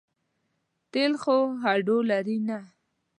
تېل خو هډو لري نه.